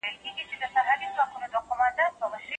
خلکو د څېړنو پایلې لوستې دي.